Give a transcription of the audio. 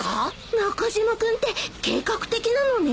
中島君って計画的なのね。